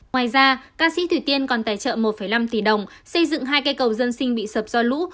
ngoài ra ca sĩ thủy tiên còn tài trợ một năm tỷ đồng xây dựng hai cây cầu dân sinh bị sập do lũ